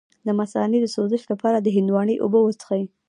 د مثانې د سوزش لپاره د هندواڼې اوبه وڅښئ